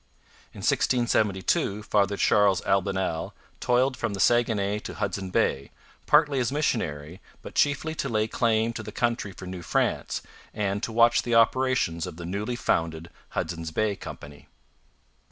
In 1672 Father Charles Albanel toiled from the Saguenay to Hudson Bay, partly as missionary, but chiefly to lay claim to the country for New France, and to watch the operations of the newly founded Hudson's Bay Company.